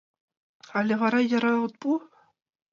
Але вара яра от пу?